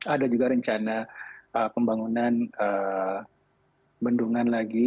ada juga rencana pembangunan bendungan lagi